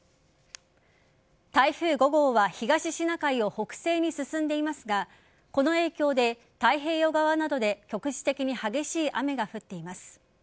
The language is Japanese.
台風５号は東シナ海を北西に進んでいますがこの影響で太平洋側などで局地的に激しい雨が降っています。